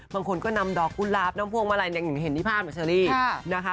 บางคนก็นำดอกคุณรับน้ำพวงมาลัยอย่างอย่างเห็นที่ภาพกับเชลลี่นะคะ